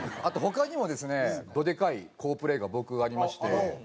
あと他にもですねどでかい好プレーが僕ありまして。